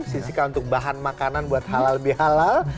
sisikan untuk bahan makanan buat halal lebih halal